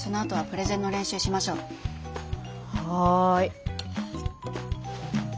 はい。